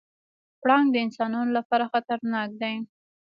پړانګ د انسانانو لپاره خطرناک دی.